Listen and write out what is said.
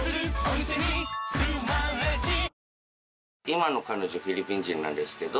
今の彼女フィリピン人なんですけど。